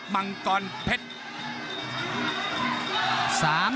มังกรเพชร